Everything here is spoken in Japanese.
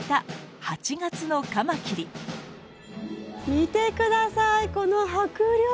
見て下さいこの迫力！